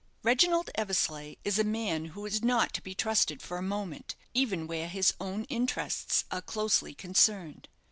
Reginald Eversleigh is a man who is not to be trusted for a moment, even where his own interests are closely concerned.